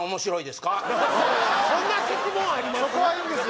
そんな質問あります？